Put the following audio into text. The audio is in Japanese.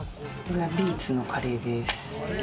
ビーツのカレーです。